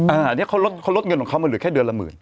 อันนี้เขาลดเงินของเขามาเหลือแค่เดือนละหมื่น